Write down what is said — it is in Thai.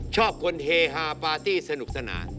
ชอบคนเฮฮาปาร์ตี้สนุกสนาน